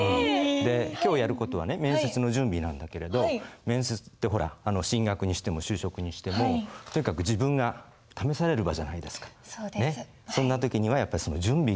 で今日やる事はね面接の準備なんだけれど面接ってほら進学にしても就職にしてもとにかく自分が試される場じゃないですか。